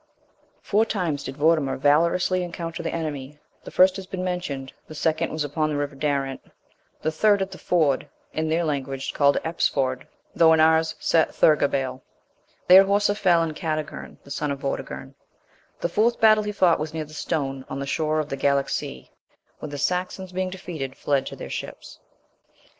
44. Four times did Vortimer valorously encounter the enemy;(1) the first has been mentioned, the second was upon the river Darent, the third at the Ford, in their language called Epsford, though in ours Set thirgabail,(2) there Horsa fell, and Catigern, the son of Vortigern; the fourth battle he fought was near the stone(3) on the shore of the Gallic sea, where the Saxons being defeated, fled to their ships.